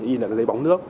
in là cái giấy bóng nước